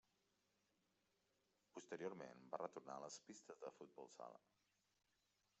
Posteriorment va retornar a les pistes de futbol sala.